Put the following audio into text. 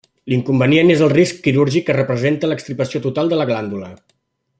L'inconvenient és el risc quirúrgic que representa l'extirpació total de la glàndula.